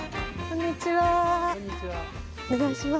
こんにちは。